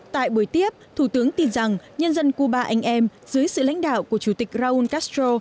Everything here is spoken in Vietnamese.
tại buổi tiếp thủ tướng tin rằng nhân dân cuba anh em dưới sự lãnh đạo của chủ tịch raúl castro